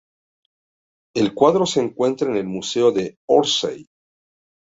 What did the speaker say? El cuadro se encuentra en el Museo de Orsay.